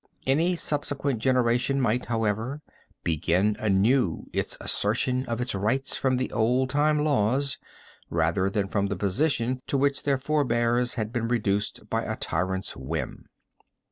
Any subsequent generation might, however, begin anew its assertion of its rights from the old time laws, rather than from the position to which their forbears had been reduced by a tyrant's whim.